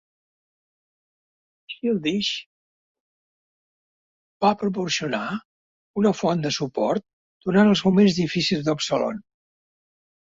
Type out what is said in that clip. Childish va proporcionar una font de suport durant els moments difícils d'Absolon.